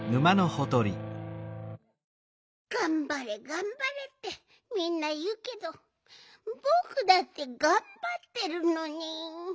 がんばれがんばれってみんないうけどぼくだってがんばってるのに。